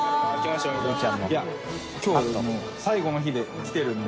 腓Δもう最後の日で来てるんで。